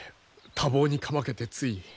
多忙にかまけてつい。